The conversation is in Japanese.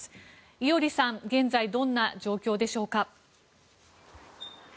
伊従さん、現在どんな状況でしょうか。